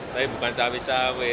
tapi bukan cawe cawe